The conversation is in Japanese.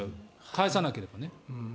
返さなければね。